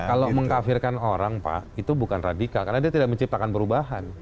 kalau mengkafirkan orang pak itu bukan radikal karena dia tidak menciptakan perubahan